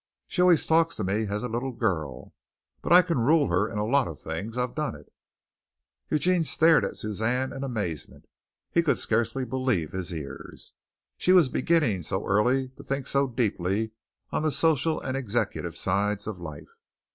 She always talks of me as a little girl, but I can rule her in lots of things. I've done it." Eugene stared at Suzanne in amazement. He could scarcely believe his ears. She was beginning so early to think so deeply on the social and executive sides of life.